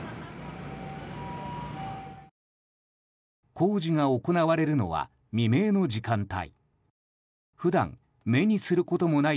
工事が行われるのは未明の時間帯。